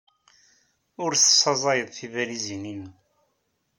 Ur tessaẓyeḍ tibalizin-nnem.